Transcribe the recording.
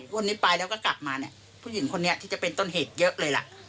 วันนี้ไปแล้วก็กลับมาเนี่ยผู้หญิงคนนี้ที่จะเป็นต้นเหตุเยอะเลยล่ะ